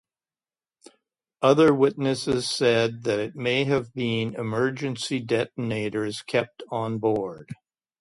Other witnesses said that it may have been emergency detonators kept on board.